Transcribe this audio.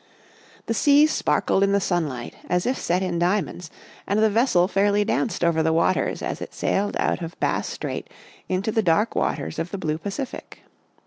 The sea sparkled in the sun light as if set in diamonds and the vessel fairly danced over the waters as it sailed out of Bass Strait into the dark waters of the blue Pacific.